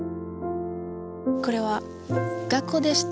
これは学校でした。